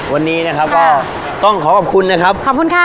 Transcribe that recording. วันนี้นะครับก็ต้องขอขอบคุณนะครับขอบคุณค่ะ